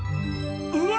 うわ！